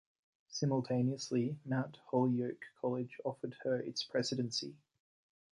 Simultaneously, Mount Holyoke College offered her its presidency.